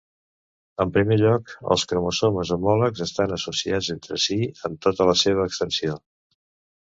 En primer lloc, els cromosomes homòlegs estan associats entre si en tota la seva extensió.